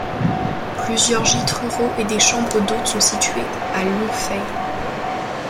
Plusieurs gîtes ruraux et des chambres d'hôtes sont situés à Longfaye.